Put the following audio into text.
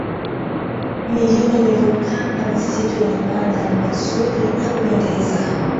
Milima yenye Volkano na misitu yenye mandhari mazuri ya kupendeza